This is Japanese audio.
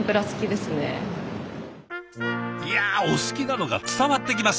いやお好きなのが伝わってきます。